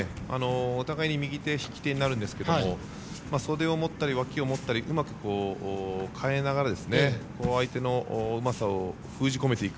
お互いに右手が引き手になるんですが袖を持ったり、わきを持ったりうまく変えながら相手のうまさを封じ込めていく。